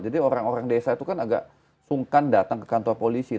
jadi orang orang desa itu kan agak sungkan datang ke kantor polisi